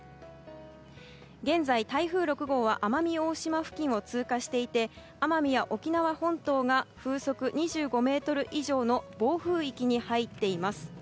現在、台風６号は奄美大島付近を通過していて奄美や沖縄本島が風速２５メートル以上の暴風域に入っています。